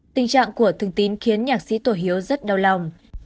tình trạng của thương tín khiến nhạc sĩ tô hiếu rất đau lòng